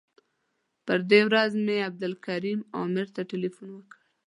په دې ورځ مې عبدالکریم عامر ته تیلفون وکړ.